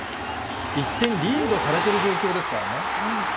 １点リードされてる状況ですからね。